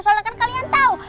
soalnya kan kalian tau